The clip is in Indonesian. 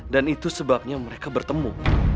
dan itu sebabnya mereka bertemu